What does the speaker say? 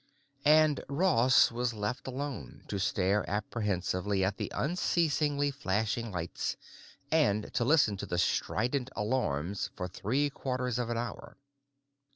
And Ross was left alone to stare apprehensively at the unceasingly flashing lights and to listen to the strident alarms for three quarters of an hour.